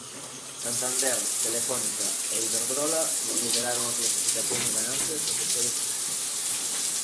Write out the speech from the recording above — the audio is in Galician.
Santander, Telefónica e Iberdrola lideraron a clasificación de ganancias no terceiro trimestre.